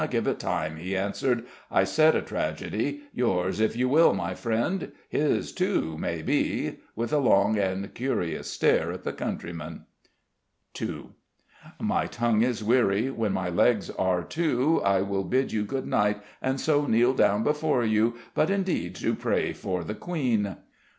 "Give it time," he answered. "I said a tragedy. Yours, if you will, my friend; his too, may be" with a long and curious stare at the countryman. II "_My tongue is weary: when my legs are too, I will bid you good night: and so kneel down before you; but indeed to pray for the Queen.